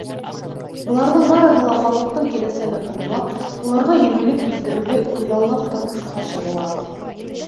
Быларҙың барыһы ла халыҡтың киләсәген уйлап, уларға еңеллек килтереүҙе күҙаллап тормошҡа ашырыла.